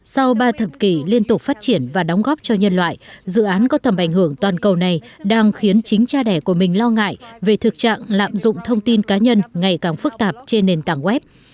sau ba thập kỷ liên tục phát triển và đóng góp cho nhân loại dự án có tầm ảnh hưởng toàn cầu này đang khiến chính cha đẻ của mình lo ngại về thực trạng lạm dụng thông tin cá nhân ngày càng phức tạp trên nền tảng web